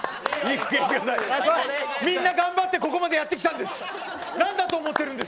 みんな頑張ってここまでやってきたんです。